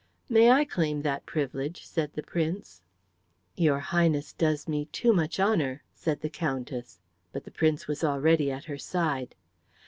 "May I claim that privilege?" said the Prince. "Your Highness does me too much honour," said the Countess, but the Prince was already at her side.